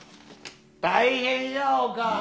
大変やおかん！